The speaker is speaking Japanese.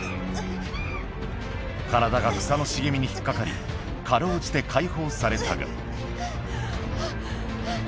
体が草の茂みに引っ掛かり辛うじて解放されたがはぁはぁはぁ。